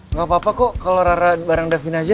gak apa apa kok kalau rara bareng davin aja